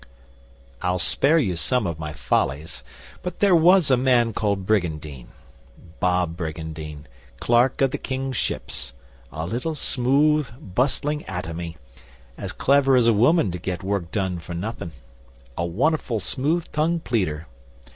'I'll spare you some of my follies. But there was a man called Brygandyne Bob Brygandyne Clerk of the King's Ships, a little, smooth, bustling atomy, as clever as a woman to get work done for nothin' a won'erful smooth tongued pleader.